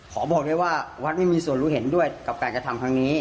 บอกได้ว่าวัดไม่มีส่วนรู้เห็นด้วยกับการกระทำครั้งนี้